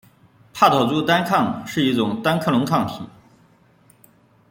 帕妥珠单抗是一种单克隆抗体。